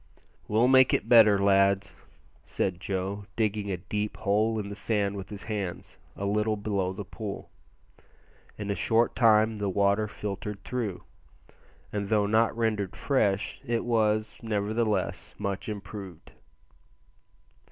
"We'll make it better, lads," said Joe, digging a deep hole in the sand with his hands, a little below the pool. In a short time the water filtered through, and though not rendered fresh, it was, nevertheless, much improved.